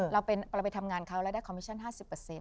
เราไปทำงานเขาแล้วได้คอมมิชั่น๕๐